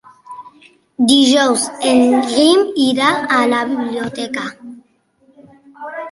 Dijous en Guim irà a la biblioteca.